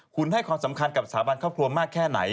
คุณให้ความสำคัญกับสถาบันครอบครัวมากแค่ไหน